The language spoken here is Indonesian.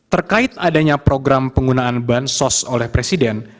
terkait adanya program penggunaan bansos oleh presiden